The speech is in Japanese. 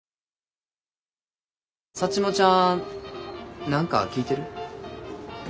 サッチモちゃん何か聞いてる？